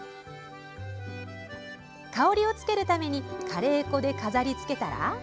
香りをつけるためにカレー粉で飾り付けたら。